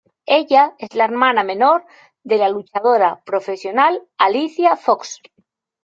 Ella es la hermana menor de la luchadora profesional Alicia Fox.